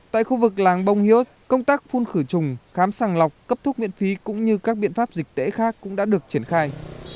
tại khu vực làng bông hiếu công tác phun khử trùng khám sàng lọc cấp thuốc miễn phí cũng như các biện pháp dịch tễ khác cũng đã được triển khai